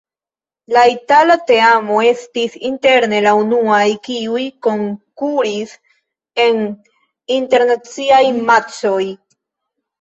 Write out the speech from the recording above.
La itala teamo estis inter la unuaj, kiuj konkuris en internaciaj matĉoj.